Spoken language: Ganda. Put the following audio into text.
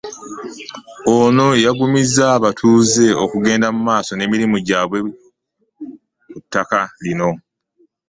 Ono yagumizza abatuuze okugenda mu maaso n'emirimu gyabwe ku ttaka lino